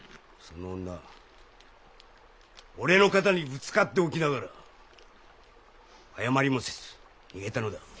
その女俺の肩にぶつかっておきながら謝りもせず逃げたのだ。